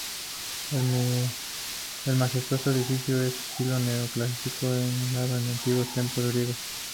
El majestuoso edificio es de estilo neoclásico, emulando los antiguos templos griegos.